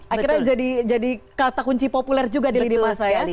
akhirnya jadi kata kunci populer juga di lidi masa ya